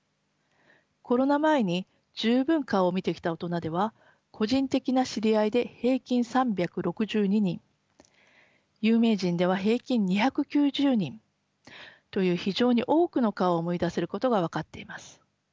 コロナ前に十分顔を見てきた大人では個人的な知り合いで平均３６２人有名人では平均２９０人という非常に多くの顔を思い出せることが分かっています。